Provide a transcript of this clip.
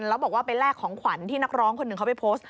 แล้วบอกว่าไปแลกของขวัญที่นักร้องคนหนึ่งเขาไปโพสต์